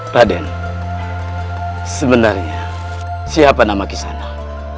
raden sebenarnya siapa nama kisah anak